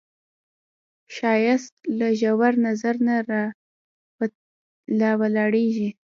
ښایست له ژور نظر نه راولاړیږي